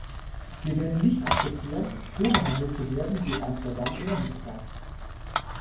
Wir werden nicht akzeptieren, so behandelt zu werden wie in Amsterdam oder Nizza.